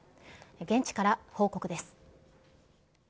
現地から報告です。